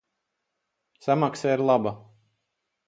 Samaksa ir laba.